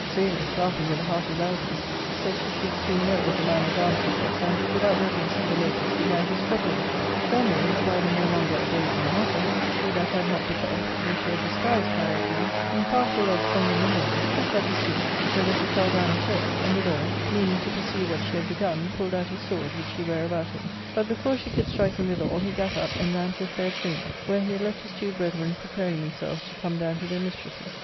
Zoilus, laughing with a hearty loudness, said she should soon know what a man at arms he was, and, without reverence to the ladies, began to struggle with her. Zelmane, abiding no longer abode in the matter, she that had not put off, though she had disguised Pyrocles, being far fuller of stronger nimble ness, tripped up his feet, so that he fell down at hers, and, withal, meaning to pursue what she had begun, pulled out his sword which he ware about him ; but, before she could strike him withal, he gat up and ran to a fair chamber, where he had left his two brethren preparing themselves to come down to their mistresses.